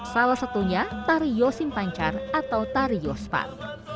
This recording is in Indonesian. salah satunya tari yosin pancar atau tari yospan